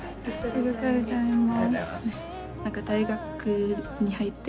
ありがとうございます。